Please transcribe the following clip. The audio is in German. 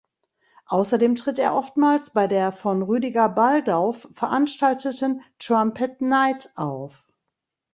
Außerdem tritt er oftmals bei der von Rüdiger Baldauf veranstalteten "Trumpet Night" auf.